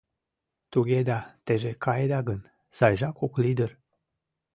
Туге да, теже каеда гын, сайжак ок лий дыр...